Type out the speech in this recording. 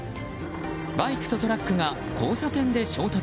バイクとトラックが交差点で衝突。